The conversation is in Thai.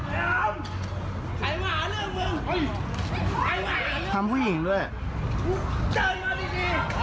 ทำผู้หญิงด้วย